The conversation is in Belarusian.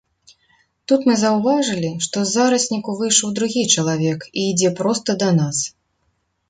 Тут мы заўважылі, што з зарасніку выйшаў другі чалавек і ідзе проста да нас.